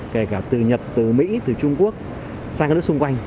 kể cả từ nhật từ mỹ từ trung quốc sang các nước xung quanh